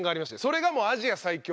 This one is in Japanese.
それがもうアジア最強